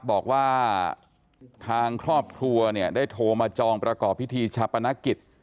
บอกว่าทางครอบครัวเนี่ยได้โทรมาจองประกอบพิธีชาปนกิจ